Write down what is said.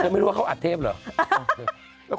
ไม่รู้ว่าเขาอัดเทพเหรอ